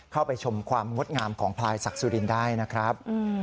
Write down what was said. เข้าไปชมความงดงามของพลายศักดิ์สุรินทร์ได้นะครับ